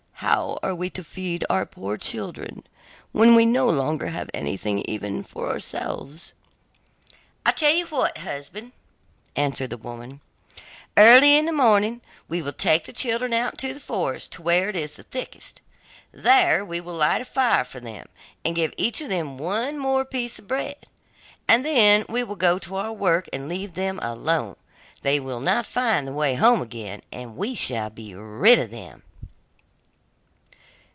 How are we to feed our poor children, when we no longer have anything even for ourselves?' 'I'll tell you what, husband,' answered the woman, 'early tomorrow morning we will take the children out into the forest to where it is the thickest; there we will light a fire for them, and give each of them one more piece of bread, and then we will go to our work and leave them alone. They will not find the way home again, and we shall be rid of them.